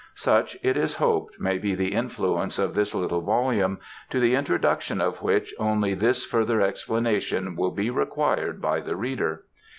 Such, it is hoped, may be the influence of this little volume, to the introduction of which only this further explanation will be required by the reader.